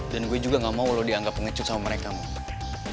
dan gue juga gak mau lo dianggap pengecut sama mereka man